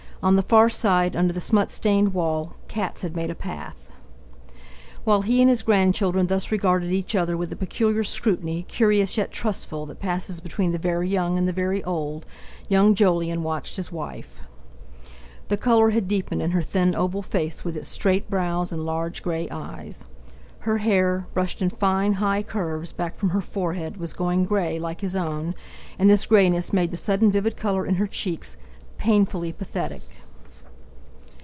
On the far side, under the smut stained wall, cats had made a path. While he and his grandchildren thus regarded each other with the peculiar scrutiny, curious yet trustful, that passes between the very young and the very old, young Jolyon watched his wife. The colour had deepened in her thin, oval face, with its straight brows, and large, grey eyes. Her hair, brushed in fine, high curves back from her forehead, was going grey, like his own, and this greyness made the sudden vivid colour in her cheeks painfully pathetic.